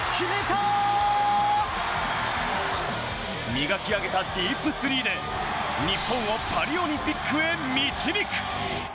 磨き上げたディープスリーで日本をパリオリンピックへ導く。